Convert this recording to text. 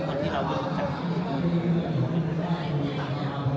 คนที่เราไม่รู้จัก